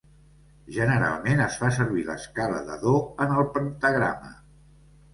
Generalment es fa servir l'escala de do en el pentagrama.